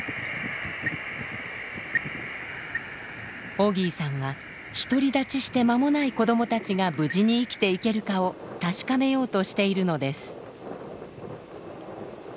オギーさんは独り立ちして間もない子どもたちが無事に生きていけるかを確かめようとしているのです。